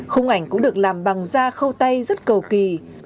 khung ảnh cũng được làm bằng da khâu tay rất cầu kỳ